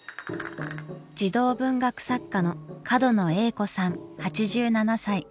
児童文学作家の角野栄子さん８７歳。